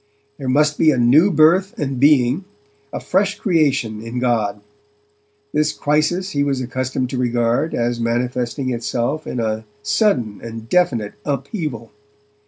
There must be a new birth and being, a fresh creation in God. This crisis he was accustomed to regard as manifesting itself in a sudden and definite upheaval.